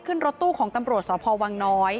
ขึ้นรถตู้ของตำรวจสพวังน้อย